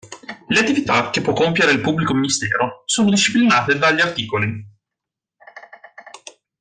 Le attività che può compiere il pubblico ministero sono disciplinate dagli artt.